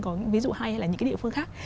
có ví dụ hay là những cái địa phương khác